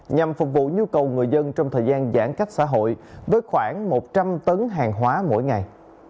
nhằm phục vụ nhu cầu người dân trong thời gian giãn cách xã hội với khoảng một trăm linh tấn hàng hóa mỗi ngày